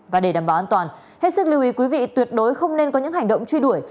và để đảm bảo an toàn hết sức lưu ý quý vị tuyệt đối không nên có những hành động truy đuổi